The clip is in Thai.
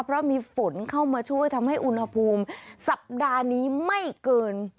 เพราะมีฝนเข้ามาช่วยทำให้อุณหภูมิสัปดาห์นี้ไม่เกิน